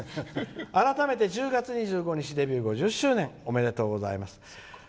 「改めて１０月２５日デビュー５０周年おめでとうございます」。